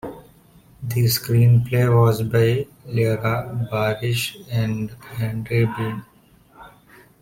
The screenplay was by Leora Barish and Henry Bean.